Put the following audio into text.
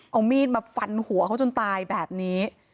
เอามีดมาฟันหัวเขาจนตายแบบนี้